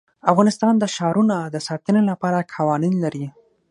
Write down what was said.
افغانستان د ښارونه د ساتنې لپاره قوانین لري.